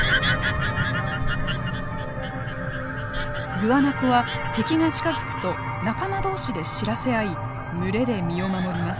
グアナコは敵が近づくと仲間同士で知らせ合い群れで身を守ります。